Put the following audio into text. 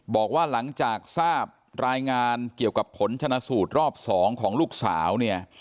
บอกว่าหลังจากทราบรายงานเกี่ยวกับผลชนะสูตรรอบ๒ของลูกสาวเนี่ย